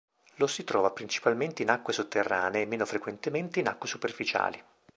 Lo si trova principalmente in acque sotterranee e meno frequentemente in acque superficiali.